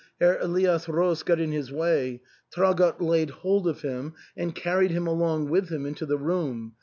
Herr Elias Roos got in his way ; Traugott laid hold of him and carried him along with him into the room.